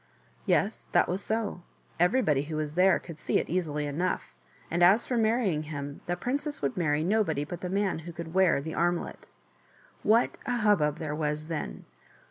Yes, that was so ; everybody who was there could see it easily enough ; and as for marrying him, the princess would marry nobody but the man who could wear the armlet. What a hubbub there was then